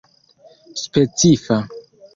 specifa